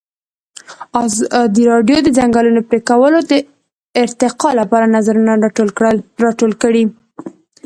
ازادي راډیو د د ځنګلونو پرېکول د ارتقا لپاره نظرونه راټول کړي.